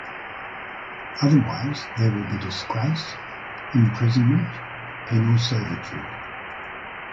Otherwise there will be disgrace, imprisonment, penal servitude.